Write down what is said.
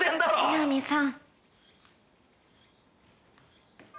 南さん。